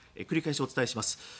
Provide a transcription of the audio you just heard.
繰り返しお伝えします。